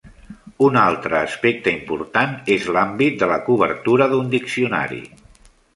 Un altre aspecte important és l'àmbit de la cobertura d'un diccionari.